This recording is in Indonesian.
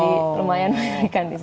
jadi lumayan menakutkan